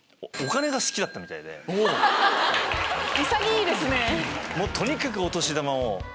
潔いですね！